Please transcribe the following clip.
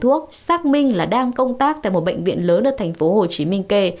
thuốc xác minh là đang công tác tại một bệnh viện lớn ở tp hcm kê